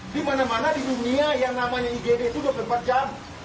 di mana mana di dunia yang namanya igd itu dua puluh empat jam